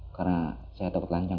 karena saya tepet lancar